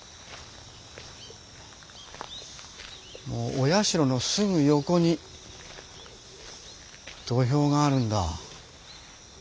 お社のすぐ横に土俵があるんだ。